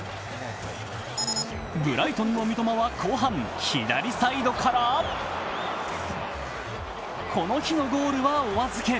ブライトンの三笘は後半、左サイドからこの日のゴールはお預け。